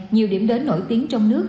nhiều điểm đến nổi tiếng trong nước